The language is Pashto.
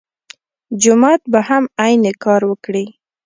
جومات به هم عین کار وکړي.